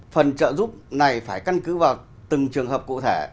phần trợ giúp này phải căn cứ vào từng trường hợp cụ thể